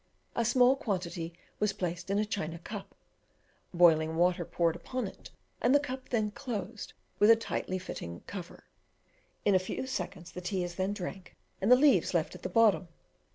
A small quantity was placed in a China cup, boiling water poured upon it, and the cup then closed with a tightly fitting cover. In a few seconds the tea is then drank and the leaves left at the bottom.